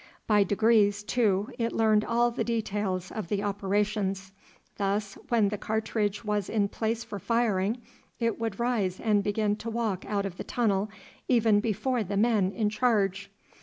By degrees, too, it learned all the details of the operations; thus, when the cartridge was in place for firing, it would rise and begin to walk out of the tunnel even before the men in charge.